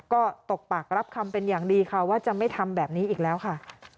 ก็ตกปากรับคำเป็นอย่างดีค่ะว่าจะไม่ทำแบบนี้อีกแล้วค่ะ